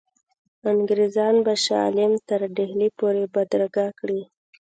انګرېزان به شاه عالم تر ډهلي پوري بدرګه کړي.